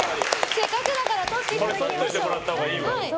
せっかくだから撮っていただきましょう。